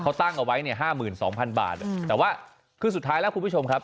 เขาตั้งเอาไว้เนี่ย๕๒๐๐๐บาทแต่ว่าคือสุดท้ายแล้วคุณผู้ชมครับ